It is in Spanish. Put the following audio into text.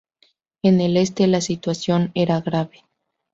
En el este, la situación era grave.